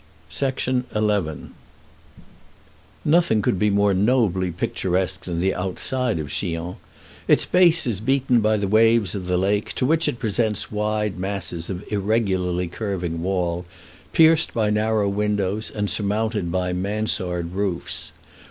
[Illustration: The Prisoner of Chillon] XI Nothing could be more nobly picturesque than the outside of Chillon. Its base is beaten by the waves of the lake, to which it presents wide masses of irregularly curving wall, pierced by narrow windows, and surmounted by Mansard roofs.